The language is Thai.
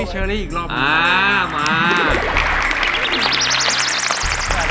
เชอรี่อีกรอบมา